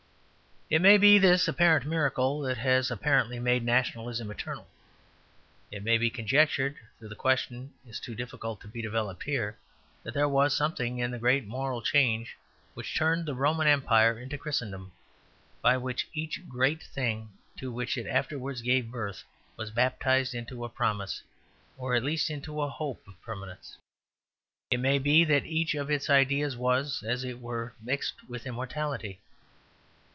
It may be this apparent miracle that has apparently made Nationalism eternal. It may be conjectured, though the question is too difficult to be developed here, that there was something in the great moral change which turned the Roman Empire into Christendom, by which each great thing, to which it afterwards gave birth, was baptized into a promise, or at least into a hope of permanence. It may be that each of its ideas was, as it were, mixed with immortality.